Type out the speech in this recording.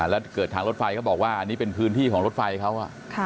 แล้วเกิดทางรถไฟก็บอกว่าอันนี้เป็นพื้นที่ของรถไฟเขา